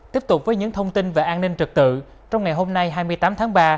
tiếp tục với những thông tin về an ninh trật tự trong ngày hôm nay hai mươi tám tháng ba